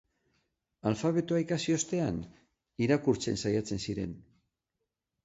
Alfabetoa ikasi ostean irakurtzen saiatzen ziren.